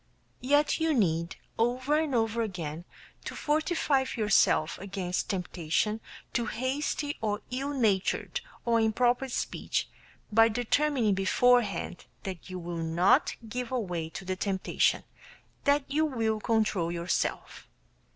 Yet you need, over and over again, to fortify yourself against temptation to hasty or ill natured or improper speech by determining beforehand that you will not give way to the temptation; that you will control yourself.